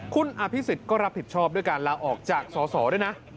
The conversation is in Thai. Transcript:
คุณอภิษฎก็รับผิดชอบด้วยการลาออกจากสอสอด้วยนะ